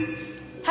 はい。